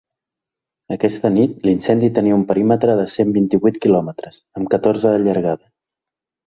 Aquesta nit, l’incendi tenia un perímetre de cent vint-i-vuit quilòmetres, amb catorze de llargada.